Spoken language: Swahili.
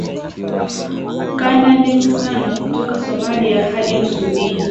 kanda ndefu sana kutoka Somalia hadi Msumbiji